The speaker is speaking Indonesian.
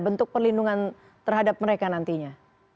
bentuk perlindungan terhadap mereka nantinya